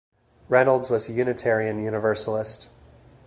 Reynolds was a Unitarian Universalist.